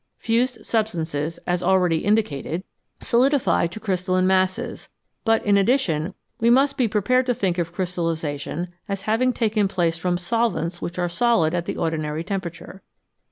Fused substances, as already indicated, 321 x FROM SOLUTIONS TO CRYSTALS solidify to crystalline masses, but, in addition, we must be prepared to think of crystallisation as having taken place from solvents which are solid at the ordinary temperature.